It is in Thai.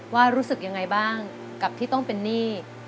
ว่ารู้สึกยังไงบ้างกับที่ต้องเป็นหนี้